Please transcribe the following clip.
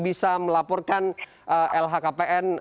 bisa melaporkan lhkpn